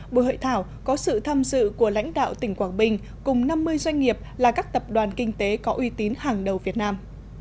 buổi hội thảo có sự tham dự của lãnh đạo tỉnh quảng bình cùng năm mươi doanh nghiệp là các tập đoàn kinh tế có uy tín hàng đầu việt nam